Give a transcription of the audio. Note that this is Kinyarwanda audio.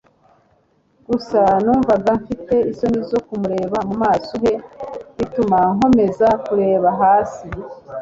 gusa numvaga mfite isoni zo kumureba mumaso he bituma nkomeza kureba hasi